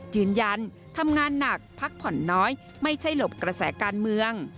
ยืนยันทำงานหนักพักผ่อนน้อยไม่ใช่หลบกระแสการเมือง